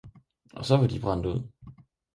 '- og så var de brændt ud.